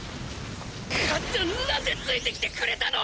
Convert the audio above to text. かっちゃん何でついてきてくれたの！？